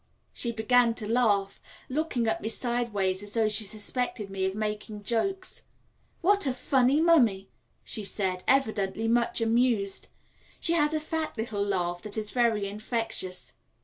She began to laugh, looking at me sideways as though she suspected me of making jokes. "What a funny Mummy!" she said, evidently much amused. She has a fat little laugh that is very infectious.